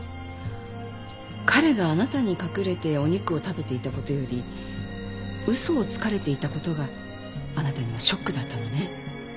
彼があなたに隠れてお肉を食べていた事より嘘をつかれていた事があなたにはショックだったのね。